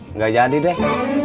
nggak jadi deh